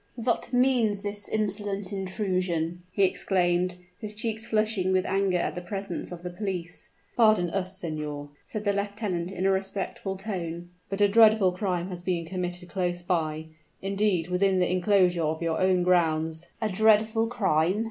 "What means this insolent intrusion?" he exclaimed, his cheeks flushing with anger at the presence of the police. "Pardon us, signor," said the lieutenant, in a respectful tone: "but a dreadful crime has been committed close by indeed within the inclosure of your own grounds " "A dreadful crime!"